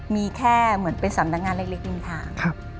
มีแค่สำนักงานเล็กริ่งทาง